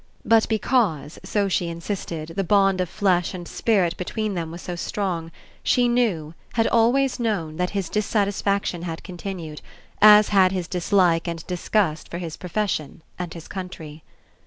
But because, so she insisted, the bond of flesh and spirit between them was so strong, she knew, had always known, that his dissatis faction had continued, as had his dislike and disgust for his profession and his country.